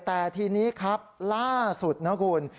แต่ทีนี้ครับล่าสุดนะคุณ